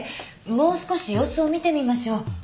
もう少し様子を見てみましょう。